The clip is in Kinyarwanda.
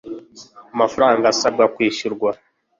amafaranga asabwa kwishyurwa